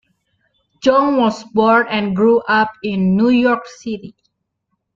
Jong was born and grew up in New York City.